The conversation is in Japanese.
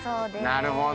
なるほど。